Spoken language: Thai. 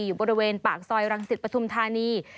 อยู่บริเวณปากซอยรังสิตปฐุมธานี